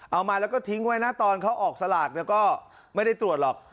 เอามาแล้วก็ทิ้งไว้นะตอนเขาออกสลากก็ไม่ได้ตรวจหรอก